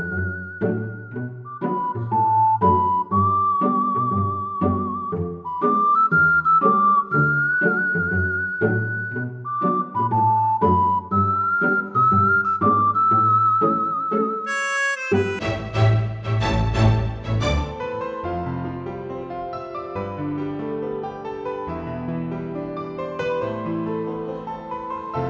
aku akan mencarimu